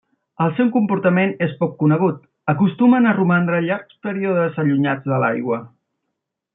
El seu comportament és poc conegut; acostumen a romandre llargs períodes allunyats de l'aigua.